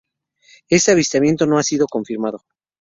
Este avistamiento no ha sido confirmado.